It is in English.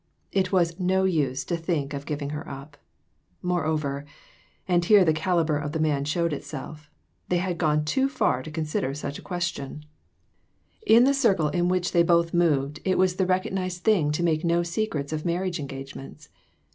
It was of no use to think of giving her up. Moreover and here the caliber of the man showed itself they had gone too far to consider such a question ! COMPLICATIONS. 355 In the circle in which both moved, it was the recognized thing to make no secrets of p marriage engagements.